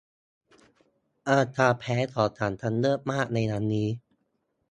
อาการแพ้ของฉันกำเริบมากในวันนี้